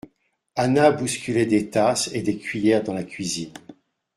Anna bousculait des tasses et des cuillères dans la cuisine.